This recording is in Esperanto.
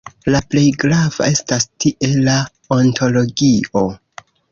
La plej grava estas tie la ontologio.